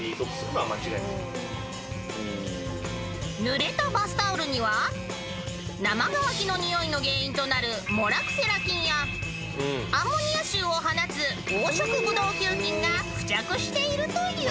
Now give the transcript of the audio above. ［ぬれたバスタオルには生乾きのにおいの原因となるモラクセラ菌やアンモニア臭を放つ黄色ブドウ球菌が付着しているという］